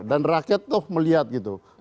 dan rakyat tuh melihat gitu